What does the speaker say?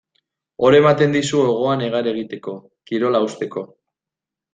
Hor ematen dizu gogoa negar egiteko, kirola uzteko.